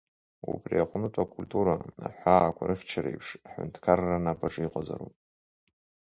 Убри аҟнытә акультура, аҳәаақәа рыхьчара еиԥш, аҳәынҭқарра анапаҿы иҟазароуп.